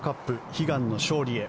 悲願の勝利へ。